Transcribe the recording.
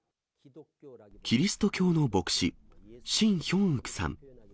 キリスト教の牧師、シン・ヒョンウクさん。